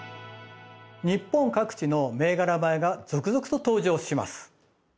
日本各地の銘柄米が続々と登場します。